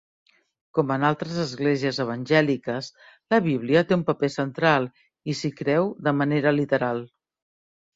Com en altres esglésies evangèliques, la Bíblia té un paper central i s'hi creu de manera literal.